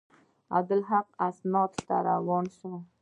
عبدالحق سند ته روان شو.